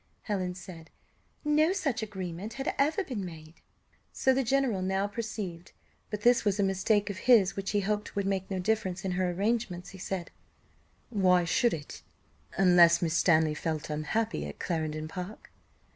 Helen said. "No such agreement had ever been made." So the general now perceived; but this was a mistake of his which he hoped would make no difference in her arrangements, he said: "Why should it? unless Miss Stanley felt unhappy at Clarendon Park?"